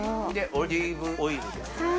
オリーブオイルですね。